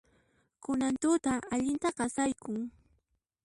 Kunan tuta allinta qasaykun.